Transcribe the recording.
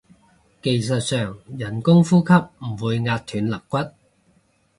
技術上人工呼吸唔會壓斷肋骨